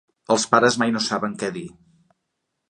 Els pares mai no saben què dir.